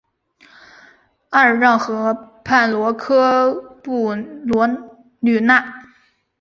阿尔让河畔罗科布吕讷。